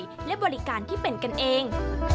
ความอร่อยและบริการที่เป็นกันเอง